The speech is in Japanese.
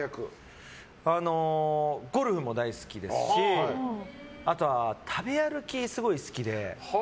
ゴルフも大好きですしあとは、食べ歩きすごい好きで。